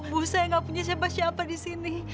bu saya gak punya siapa siapa disini